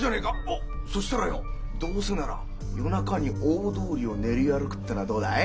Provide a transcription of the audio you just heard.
おっそしたらよどうせなら夜中に大通りを練り歩くってのはどうだい？